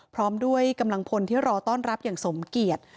พร้อมด้วยกำลังพลที่รอต้อนรับอย่างสมเกียจ